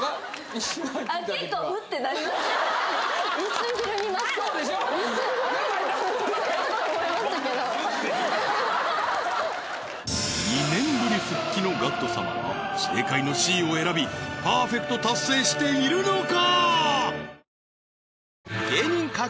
一瞬２年ぶり復帰のＧＡＣＫＴ様は正解のＣを選びパーフェクト達成しているのか？